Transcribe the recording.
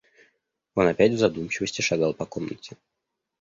Он опять в задумчивости шагал по комнате.